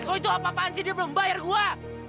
lo itu apa apaan sih dia belum bayar gue